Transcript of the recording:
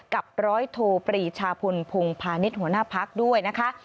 กับร้อยโทปรีชาพลพงพาณิชย์หัวหน้าพักด้วยนะคะ